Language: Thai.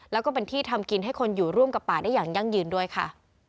แล้วก็เป็นที่ทำกินให้คนอยู่ร่วมกับป่าได้อย่างยั่งยืนด้วยค่ะ